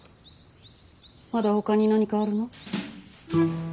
まだほかに何かあるの？